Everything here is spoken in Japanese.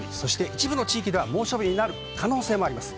一部の地域では猛暑日になる可能性もあります。